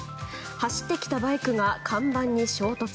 走ってきたバイクが看板に衝突。